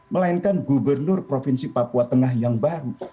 melainkan gubernur provinsi papua tengah yang baru